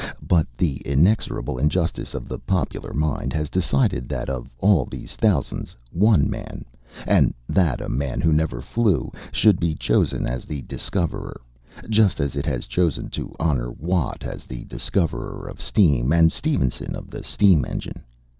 But the inexorable injustice of the popular mind has decided that of all these thousands, one man, and that a man who never flew, should be chosen as the discoverer, just as it has chosen to honour Watt as the discoverer of steam and Stephenson of the steam engine.